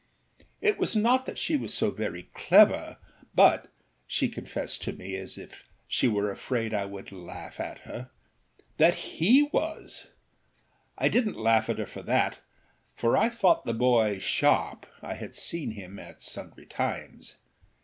It was not that she was so very clever, but (she confessed to me as if she were afraid I would laugh at her) that he was. I didnât laugh at her for that, for I thought the boy sharpâI had seen him at sundry times.